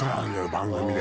番組で。